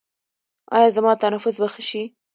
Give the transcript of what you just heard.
ایا زما تنفس به ښه شي؟